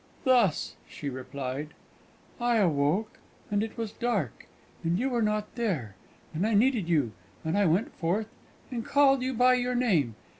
"Thus," she replied: "I awoke, and it was dark, and you were not there, and I needed you; and I went forth, and called you by your name.